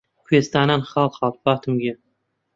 کوێستانان خاڵ خاڵ فاتم گیان